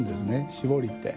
絞りって。